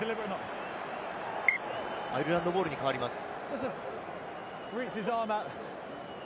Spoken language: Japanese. アイルランドボールに変わります。